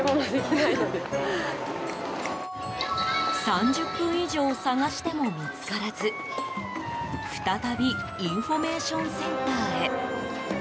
３０分以上探しても見つからず再びインフォメーションセンターへ。